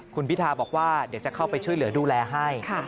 คุณพิทาบอกว่าเดี๋ยวจะเข้าไปช่วยเหลือดูแลให้